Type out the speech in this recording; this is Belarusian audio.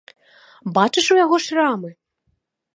Бачыш у яго шрамы?